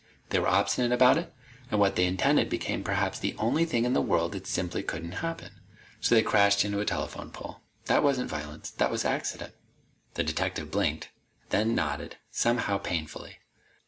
They were obstinate about it, and what they intended became perhaps the only thing in the world that simply couldn't happen. So they crashed into a telephone pole. That wasn't violence. That was accident." The detective blinked, and then nodded, somehow painfully.